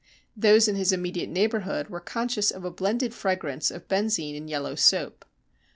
Those in his immediate neighbourhood were conscious of a blended fragrance of benzine and yellow soap.